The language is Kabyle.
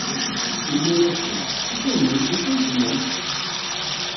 Inna-asen: I kenwi, d acu i tennam?